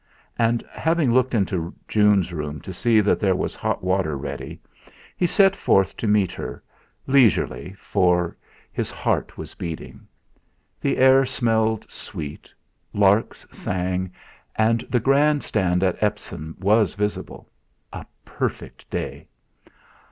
And, having looked into June's room to see that there was hot water ready, he set forth to meet her, leisurely, for his heart was beating. The air smelled sweet, larks sang, and the Grand Stand at Epsom was visible. A perfect day!